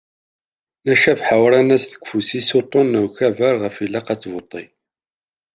Nna Cabḥa uran-as deg ufus-is uṭṭun n ukabar ɣef ialq ad tbuṭṭi.